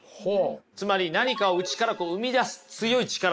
つまり何かを内からこう生み出す強い力ですよ。